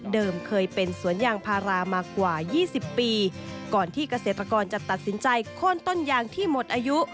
เคยเป็นสวนยางพารามากว่า๒๐ปีก่อนที่เกษตรกรจะตัดสินใจโค้นต้นยางที่หมดอายุ